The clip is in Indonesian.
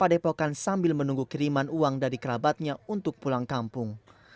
pada saat ini pihak padepokan sambil menunggu kiriman uang dari kerabatnya untuk pulang kampung